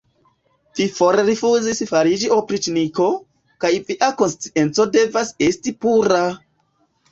Vi forrifuzis fariĝi opriĉniko, kaj via konscienco devas esti pura!